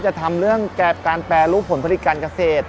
จะทำเรื่องการแปรรูปผลผลิตการเกษตร